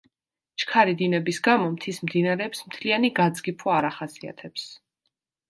ჩქარი დინების გამო მთის მდინარეებს მთლიანი გაძგიფვა არ ახასიათებს.